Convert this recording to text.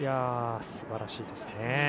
素晴らしいですね。